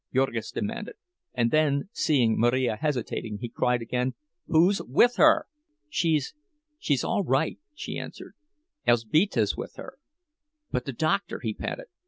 Jurgis demanded; and then, seeing Marija hesitating, he cried again, "Who's with her?" "She's—she's all right," she answered. "Elzbieta's with her." "But the doctor!" he panted.